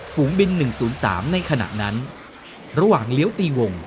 ฝูงบินหนึ่งศูนย์สามในขณะนั้นระหว่างเลี้ยวตีวง